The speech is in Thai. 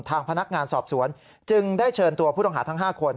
ทางพนักงานสอบสวนจึงได้เชิญตัวผู้ต้องหาทั้ง๕คน